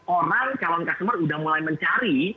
orang calon customer udah mulai mencari